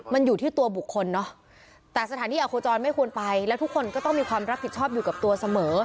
มันอยู่ที่ตัวบุคคลเนอะแต่สถานที่อโคจรไม่ควรไปแล้วทุกคนก็ต้องมีความรับผิดชอบอยู่กับตัวเสมอ